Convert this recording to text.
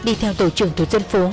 đi theo tổ trưởng thủ dân phố